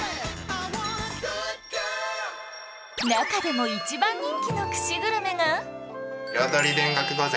中でも一番人気の串グルメが